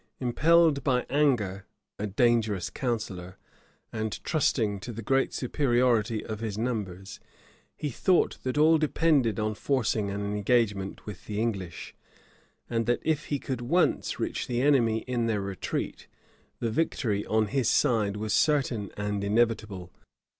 Impelled by anger, a dangerous counsellor, and trusting to the great superiority of his numbers, he thought that all depended on forcing an engagement with the English; and that if he could once reach the enemy in their retreat, the victory on his side was certain and inevitable.